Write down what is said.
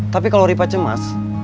tapi kalau rifah cemas